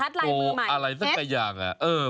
ทำทำผมเป็นคนแบบนี้